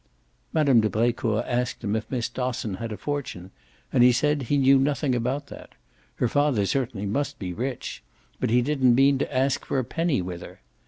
Mme. de Brecourt asked him if Miss Dosson had a fortune, and he said he knew nothing about that. Her father certainly must be rich, but he didn't mean to ask for a penny with her.